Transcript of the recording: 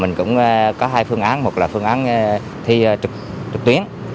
mình cũng có hai phương án một là phương án thi trực tuyến